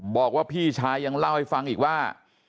บอกว่าพี่ชายยังเล่าให้ฟังอีกว่า